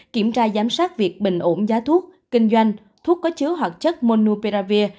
kiểm tra giám sát việc bình ổn giá thuốc kinh doanh thuốc có chứa hoạt chất monuperavir